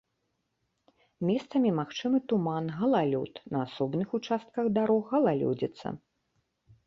Месцамі магчымы туман, галалёд, на асобных участках дарог галалёдзіца.